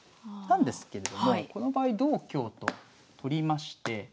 なんですけれどもこの場合同香と取りまして。